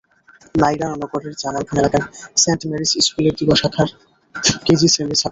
নাইরা নগরের জামালখান এলাকার saint Mary's স্কুলের দিবা শাখার কেজি শ্রেণির ছাত্রী।